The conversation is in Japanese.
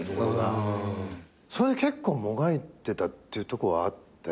それで結構もがいてたっていうとこはあって。